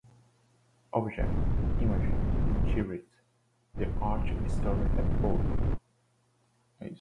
Object, image, inquiry: The art historian at work.